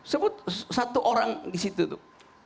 sebut satu orang di situ tuh